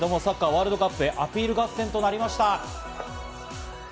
サッカー・ワールドカップへアピール合戦となりました。